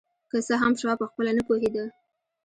که څه هم شواب پخپله نه پوهېده.